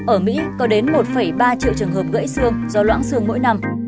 ở mỹ có đến một ba triệu trường hợp gãy xương do loãng xương mỗi năm